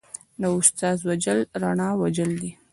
د استاد وژل رڼا وژل دي.